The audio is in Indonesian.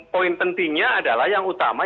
poin pentingnya adalah yang utama